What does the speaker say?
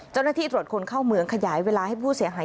เจ้าหน้าที่ตรวจคนเข้าเมืองขยายเวลาให้ผู้เสียหาย